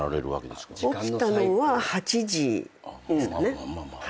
起きたのは８時ですかね。